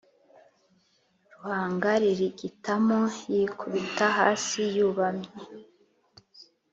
ruhanga ririgitamo yikubita hasi yubamye